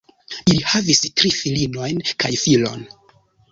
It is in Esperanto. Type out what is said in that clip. Ili havis tri filinojn kaj filon.